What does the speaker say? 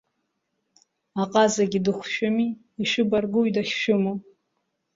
Аҟазагьы дыхәшәыми, ишәыбаргәуи дахьшәымоу!